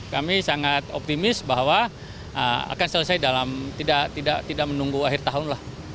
kami sangat optimis bahwa akan selesai dalam tidak menunggu akhir tahun lah